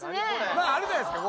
まああるじゃないですか。